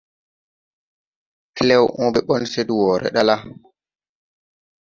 Klɛw õõbe ɓɔn se de wɔɔre ɗa la,